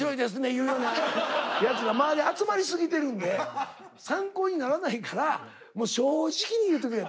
言うようなやつが周り集まりすぎてるんで参考にならないからもう正直に言うてくれということは言ってますね。